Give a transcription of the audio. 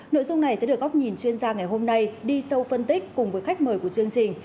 nội dung này sẽ được góc nhìn chuyên gia ngày hôm nay đi sâu phân tích cùng với khách mời của chương trình